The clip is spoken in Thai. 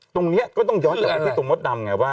ตรงนี้ก็ต้องยอดออกไปที่ตรงรถดำไงว่า